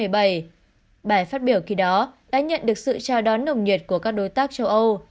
bài phát biểu khi đó đã nhận được sự trao đón nồng nhiệt của các đối tác châu âu